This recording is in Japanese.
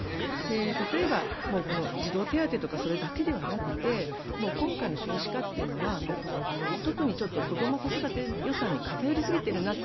例えば児童手当とかそれだけではなくて今回の少子化というのは特に子ども・子育て予算に偏りすぎているなと。